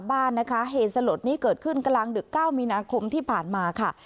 บ้านนะคะเหตุสลดนี้เกิดขึ้นกลางดึก๙มีนาคมที่ผ่านมาค่ะ